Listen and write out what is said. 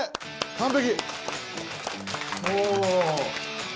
完璧！